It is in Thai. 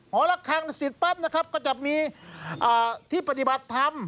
หอละครังสิทธิ์ปั้นนะครับก็จะมีที่ปฏิบัติธรรม